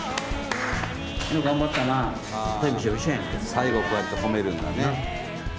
最後こうやって褒めるんだね。